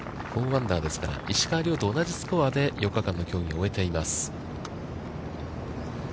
４アンダーですから、石川遼と同じスコアで４日間の競技を終えています。